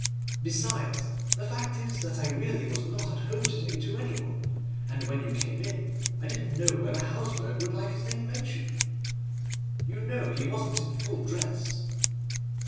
Besides, the fact is that I really was not at home to day to any one; and when you came in I didn't know whether Hausberg would like his name mentioned. You know he wasn't in full dress.